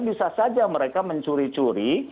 bisa saja mereka mencuri curi